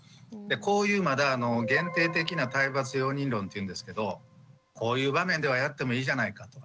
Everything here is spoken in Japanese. こういうまだあの限定的な体罰容認論っていうんですけどこういう場面ではやってもいいじゃないかと。